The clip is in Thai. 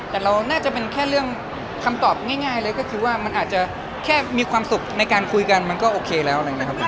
แต่เราน่าจะเป็นแค่เรื่องคำตอบง่ายเลยก็คือว่ามันอาจจะแค่มีความสุขในการคุยกันมันก็โอเคแล้วอะไรอย่างนี้ครับ